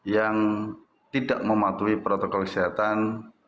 yang tidak mematuhi protokol kesehatan